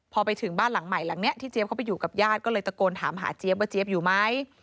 พอไปถึงบ้านหลังใหม่หลังนี้ที่เจี๊ยเขาไปอยู่กับญาติก็เลยตะโกนถามหาเจี๊ยบว่าเจี๊ยบอยู่ไหม